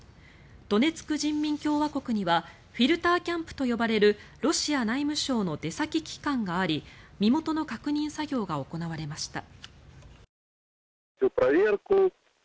ドネツク人民共和国にはフィルターキャンプと呼ばれるロシア内務省の出先機関があり身元の確認作業が行われました。